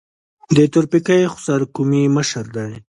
د تورپیکۍ خوسر قومي مشر دی.